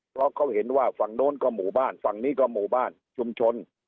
เพราะเขาเห็นว่าฝั่งโน้นก็หมู่บ้านฝั่งนี้ก็หมู่บ้านชุมชน